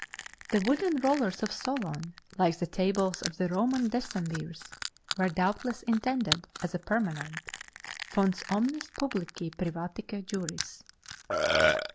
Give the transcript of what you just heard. The wooden rollers of Solon, like the tables of the Roman decemvìrs, were doubtless intended as a permanent "fons omnis publici privatique juris".